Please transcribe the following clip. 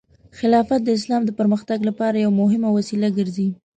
خلافت د اسلام د پرمختګ لپاره یو مهم وسیله ګرځي.